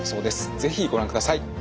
是非ご覧ください。